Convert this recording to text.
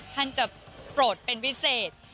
ท่านจะโปรดเป็นพิเศษ